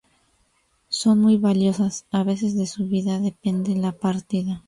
Son muy valiosas, a veces de su vida depende la partida.